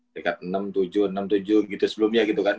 tingkat enam tujuh gitu sebelumnya gitu kan